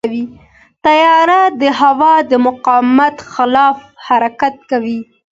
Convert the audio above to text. طیاره د هوا د مقاومت خلاف حرکت کوي.